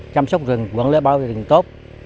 chăm sóc rừng quản lý bao nhiêu rừng tốt